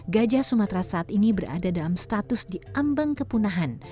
gajah sumatera saat ini berada dalam status diambang kepunahan